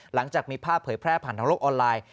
หลังจากมีภาพเผยแพร่ผ่านทางโลกออนไลน์